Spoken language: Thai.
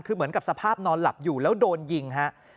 คือเหมือนกับสภาพนอนหลับอยู่แล้วโดนยิงฮะ